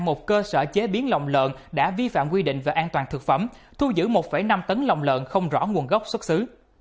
một cơ sở chế biến lòng lợn đã vi phạm quy định về an toàn thực phẩm thu giữ một năm tấn lòng lợn không rõ nguồn gốc xuất xứ